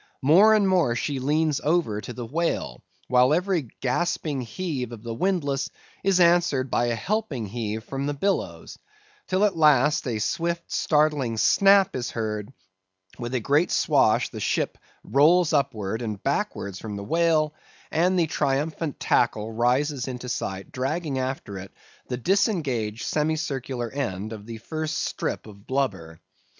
More and more she leans over to the whale, while every gasping heave of the windlass is answered by a helping heave from the billows; till at last, a swift, startling snap is heard; with a great swash the ship rolls upwards and backwards from the whale, and the triumphant tackle rises into sight dragging after it the disengaged semicircular end of the first strip of blubber.